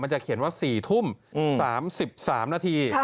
จะเขียนว่า๔ทุ่ม๓๓นาที